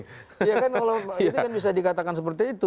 ya kan kalau ini kan bisa dikatakan seperti itu